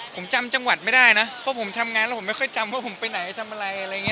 ผมจำจังหวัดไม่ได้นะผมจำงานไม่จำไปไหน